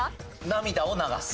涙を流す。